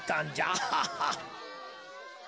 アハハッ。